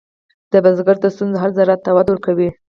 د بزګر د ستونزو حل زراعت ته وده ورکوي.